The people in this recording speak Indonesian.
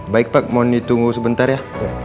baik pak mohon ditunggu sebentar ya